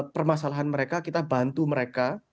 permasalahan mereka kita bantu mereka